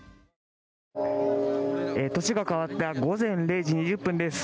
年が変わった午前０時２０分です。